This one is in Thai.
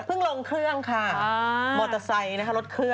เพิ่งลงเครื่องมอเตอร์ไซซ์นะครับรถเครื่อง